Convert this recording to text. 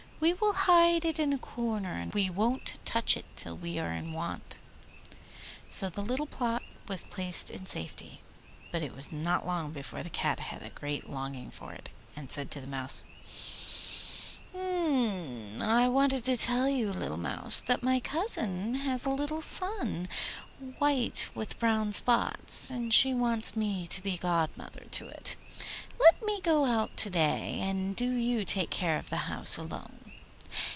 We will hide it in a corner, and we won't touch it till we are in want.' So the little pot was placed in safety; but it was not long before the Cat had a great longing for it, and said to the Mouse, 'I wanted to tell you, little Mouse, that my cousin has a little son, white with brown spots, and she wants me to be godmother to it. Let me go out to day, and do you take care of the house alone.